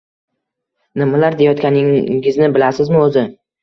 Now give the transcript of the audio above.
Nimalar deyotganingizni bilasizmi o`zi